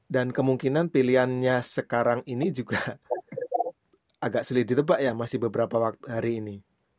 dan kemungkinan pilihannya sekarang ini juga agak sulit ditebak ya masih beberapa hari ini